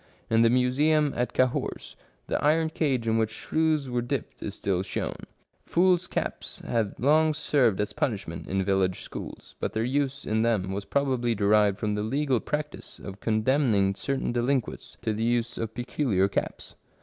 In the museum at Cahors the iron cage in which shrews were dipped is still shown. Fools' caps have long served as punishment in village schools, but their use in them was prob ably derived from the legal practice of condemning certain delinquents to the use of peculiar caps.